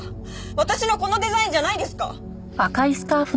私のこのデザインじゃないんですか？